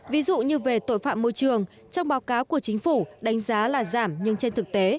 ví dụ như về tội phạm môi trường trong báo cáo của chính phủ đánh giá là giảm nhưng trên thực tế